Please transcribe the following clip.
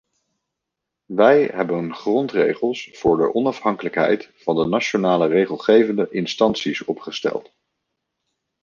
Wij hebben grondregels voor de onafhankelijkheid van de nationale regelgevende instanties opgesteld.